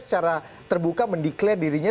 secara terbuka mendeklare dirinya